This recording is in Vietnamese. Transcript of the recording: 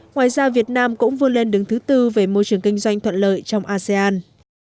ngoài ra việt nam cũng vươn lên đứng thứ tư về môi trường kinh doanh thuận lợi trong asean